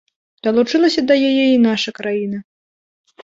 Далучылася да яе і наша краіна.